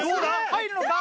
入るのか？